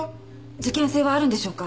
事件性はあるんでしょうか？